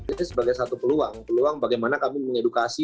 ini sebagai satu peluang peluang bagaimana kami mengedukasi